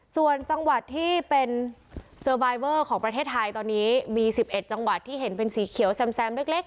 ส่วนจังหวัดที่เป็นเซอร์บายเวอร์ของประเทศไทยตอนนี้มี๑๑จังหวัดที่เห็นเป็นสีเขียวแซมเล็ก